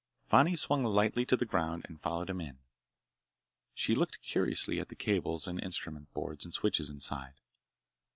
Fani swung lightly to the ground and followed him in. She looked curiously at the cables and instrument boards and switches inside.